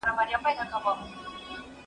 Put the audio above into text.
واعظان څه ډول کورنی نظام تنظيموي؟